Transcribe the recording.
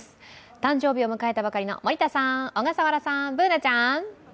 誕生日を迎えたばかりの森田さん、小笠原さん、Ｂｏｏｎａちゃん。